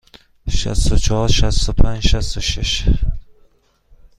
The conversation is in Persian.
شصت و چهار، شصت و پنج، شصت و شش.